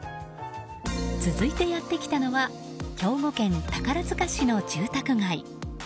続いてやってきたのは兵庫県宝塚市の住宅街。